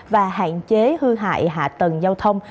và hạn chế hư hại hạ tầng giao thông